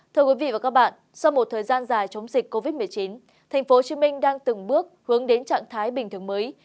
thưa quý vị và các bạn sau một thời gian dài chống dịch covid một mươi chín tp hcm đang từng bước hướng đến trạng thái bình thường mới